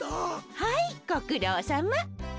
はいごくろうさま。